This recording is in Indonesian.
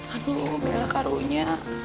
aduh bella karunya